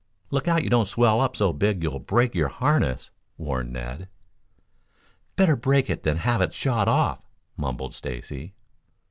"Look out you don't swell up so big you'll break your harness," warned Ned. "Better break it than have it shot off," mumbled Stacy.